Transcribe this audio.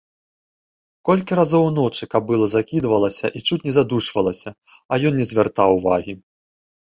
Колькі разоў уночы кабыла закідвалася і чуць не задушвалася, а ён не звяртаў увагі.